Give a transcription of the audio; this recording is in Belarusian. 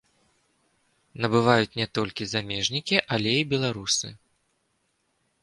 Набываюць не толькі замежнікі, але і беларусы.